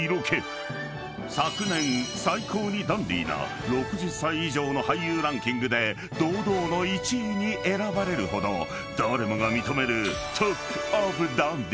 ［昨年最高にダンディーな６０歳以上の俳優ランキングで堂々の１位に選ばれるほど誰もが認める］